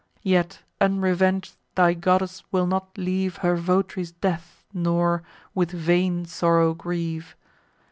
Yet unreveng'd thy goddess will not leave Her vot'ry's death, nor; with vain sorrow grieve.